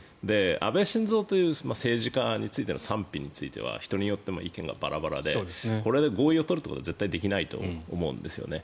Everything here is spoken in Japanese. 安倍晋三という政治家についての賛否は人によっても意見がバラバラでこれで合意を取ることは絶対にできないと思うんですね。